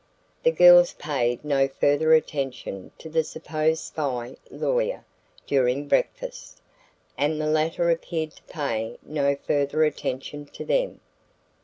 The girls paid no further attention to the supposed spy lawyer during breakfast, and the latter appeared to pay no further attention to them.